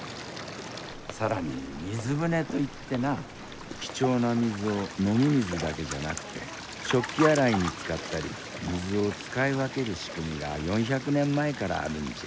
更に水舟といってな貴重な水を飲み水だけじゃなくて食器洗いに使ったり水を使い分ける仕組みが４００年前からあるんじゃ。